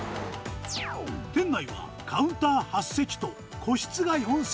店内はカウンター８席と個室が４席。